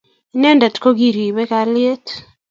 Inendet ko nikiribei kalyet